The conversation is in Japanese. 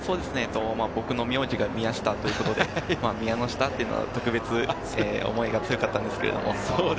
僕の名字が宮下ということで宮ノ下は特別思いが強かったんですけれど。